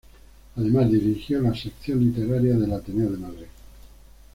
Además dirigió la sección literaria del Ateneo de Madrid.